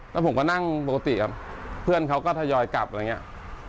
แล้วผมก็นั่งปกติครับเพื่อนเขาก็ทยอยกลับอะไรอย่างนี้